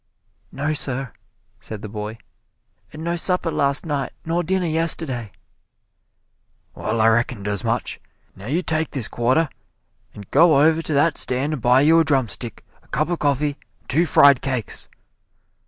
"No, sir," said the boy; "and no supper last night nor dinner yesterday!" "Well, I reckoned as much. Now you take this quarter and go over to that stand and buy you a drumstick, a cup of coffee and two fried cakes!"